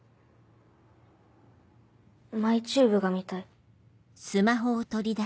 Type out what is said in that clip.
ＭＹｔｕｂｅが見たい。